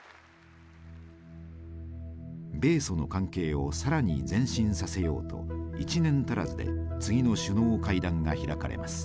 米ソの関係を更に前進させようと１年足らずで次の首脳会談が開かれます。